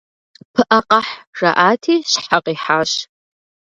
«Пыӏэ къэхь» жаӏати, щхьэ къихьащ.